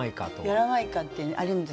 「やらまいか」ってねあるんですよね